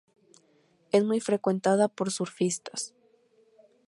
Es muy frecuentada por surfistas.